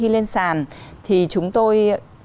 lên sàn thì chúng tôi